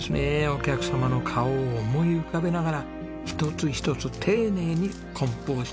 お客様の顔を思い浮かべながら一つ一つ丁寧に梱包して送り出します。